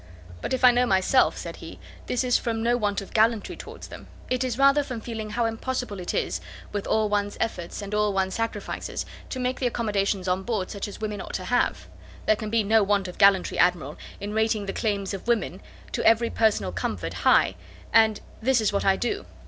"But, if I know myself," said he, "this is from no want of gallantry towards them. It is rather from feeling how impossible it is, with all one's efforts, and all one's sacrifices, to make the accommodations on board such as women ought to have. There can be no want of gallantry, Admiral, in rating the claims of women to every personal comfort high, and this is what I do.